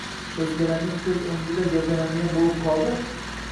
o‘zgalarning ko‘z o‘ngida gavdalanadigan bo‘lib qoldi?